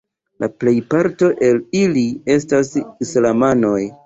La plejparto el ili estas islamanoj.